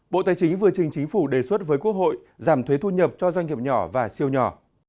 bộ tài chính vừa trình chính phủ đề xuất với quốc hội giảm thuế thu nhập cho doanh nghiệp nhỏ và siêu nhỏ